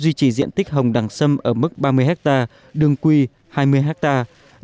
duy trì diện tích hồng đẳng xâm ở mức ba mươi hectare đường quy hai mươi hectare